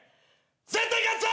絶対勝つぞ！！